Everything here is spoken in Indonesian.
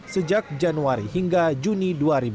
sejak januari hingga juni dua ribu dua puluh